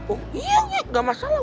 oh iya nek enggak masalah